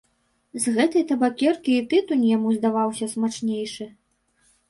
З гэтай табакеркі і тытунь яму здаваўся смачнейшы.